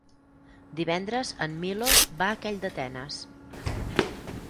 Divendres en Milos va a Calldetenes.